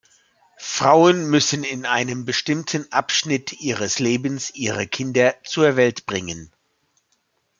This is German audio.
Frauen müssen in einem bestimmten Abschnitt ihres Lebens ihre Kinder zur Welt bringen.